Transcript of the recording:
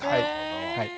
はい。